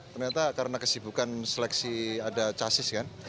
ternyata karena kesibukan seleksi ada casis kan